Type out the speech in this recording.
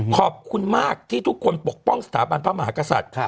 ขอบคุณมากที่ทุกคนปกป้องสถาบันพระมหากษัตริย์